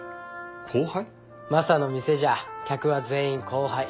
マサの店じゃ客は全員後輩。